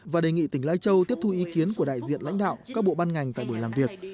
và đề nghị tỉnh lai châu tiếp thu ý kiến của đại diện lãnh đạo các bộ ban ngành tại buổi làm việc